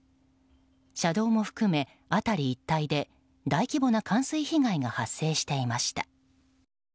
車道を含め、辺り一帯で大規模な冠水被害が発生していました。